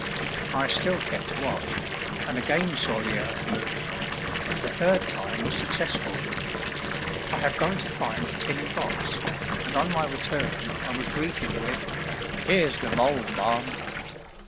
I still kept watch, and again saw the earth move the third time was successful. I had gone to find a tin box, and on my return I was greeted with "Here's the mole, ma'am!"